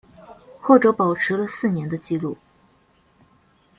后者保持了四年的纪录。